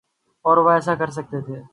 اور وہ ایسا کر سکتے تھے۔